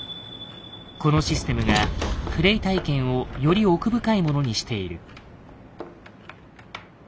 このシステムがプレイ体験をより奥深いものにしている。